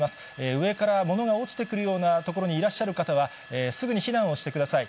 上からものが落ちてくるような所にいらっしゃる方は、すぐに避難をしてください。